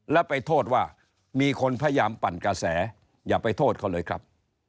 แล้วไปโทษว่ามีคนพยายามปั่นกระแสอย่าไปโทษเขาเลยครับ